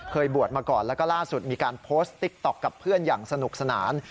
เคยบวชมาก่อนแล้วก็ล่าสุดมีการโพสต์ติ๊กต๊อกกับเพื่อนอย่างสนุกสนาน